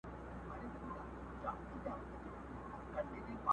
جوړه څنګه سي کېدلای د لارښود او ګمراهانو٫